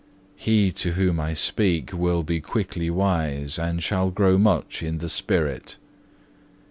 He to whom I speak will be quickly wise and shall grow much in the spirit.